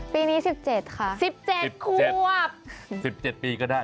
ปีนี้๑๗ค่ะ